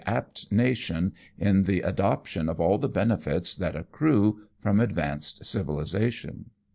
apt nation in the adoption of all the benefits that accrue from adyanced civilization.